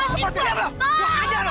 ngapain mau dianggur